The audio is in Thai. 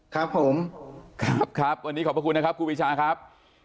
ครับผมครับครับวันนี้ขอบพระคุณนะครับครูปีชาครับ